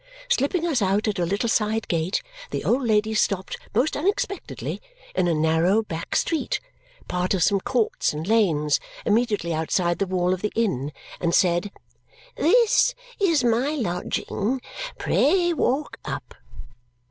Slipping us out at a little side gate, the old lady stopped most unexpectedly in a narrow back street, part of some courts and lanes immediately outside the wall of the inn, and said, "This is my lodging. Pray walk up!"